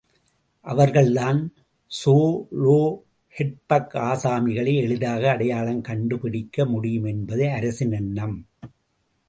அவர்கள்தான் ஸோலொஹெட்பக் ஆசாமிகளை எளிதாக அடையாளம் கண்டு பிடிக்க முடியும் என்பது அரசின் எண்ணம்.